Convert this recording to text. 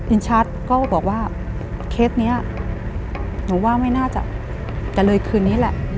อินชัดก็บอกว่าเคสนี้หนูว่าไม่น่าจะเลยคืนนี้แหละ